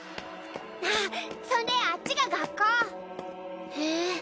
あっそんであっちが学校へえ